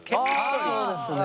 ・あそうですね。